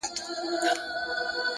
درناوی د انسان ښکلا ده.!